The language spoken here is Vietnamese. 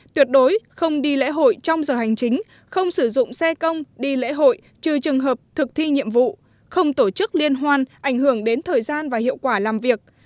tuyệt đối không đi lễ hội trong giờ hành chính không sử dụng xe công đi lễ hội trừ trường hợp thực thi nhiệm vụ không tổ chức liên hoan ảnh hưởng đến thời gian và hiệu quả làm việc